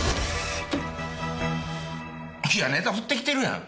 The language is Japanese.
いやネタふって来てるやん。